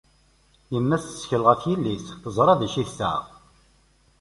Yemma-s tettkel ɣef yelli-s, teẓra acu i d-tesɛa.